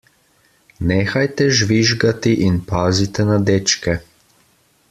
Nehajte žvižgati in pazite na dečke.